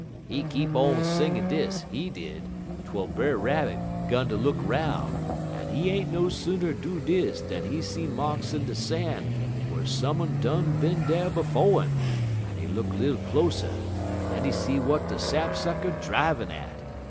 _' "He keep on singin' dis, he did, twel Brer Rabbit 'gun ter look 'roun', en he ain't no sooner do dis dan he see marks in de san' whar sum un done bin dar 'fo' 'im, en he look little closer en den he see w'at de sap sucker drivin' at.